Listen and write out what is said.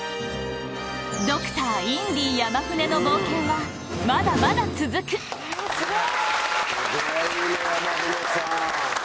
ドクターインディ山舩の冒険はまだまだ続くすごいね山舩さん！